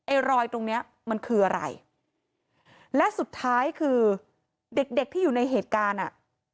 รอยตรงเนี้ยมันคืออะไรและสุดท้ายคือเด็กเด็กที่อยู่ในเหตุการณ์อ่ะ